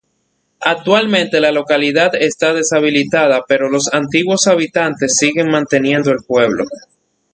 Actualmente la localidad está deshabitada, pero los antiguos habitantes siguen manteniendo el pueblo.